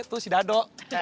tuh si dado